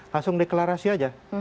langsung deklarasi aja